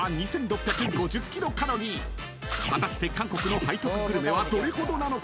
［果たして韓国の背徳グルメはどれほどなのか］